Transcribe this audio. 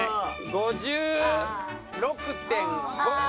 ５６．５。